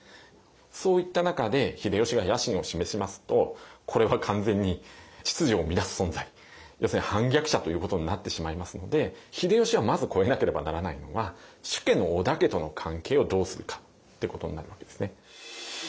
そういった中で秀吉が野心を示しますとこれは完全に秩序を乱す存在要するに反逆者ということになってしまいますので秀吉はまず越えなければならないのは主家の織田家との関係をどうするかってことになるわけですね。